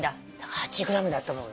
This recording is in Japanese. ８ｇだと思うよ。